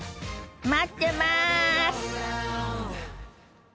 待ってます！